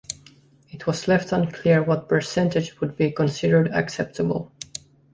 It was left unclear what percentage would be considered acceptable.